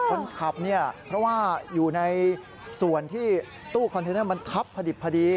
คนขับเพราะว่าอยู่ในส่วนที่โต้คอนเทนเนอร์มันทับพอดี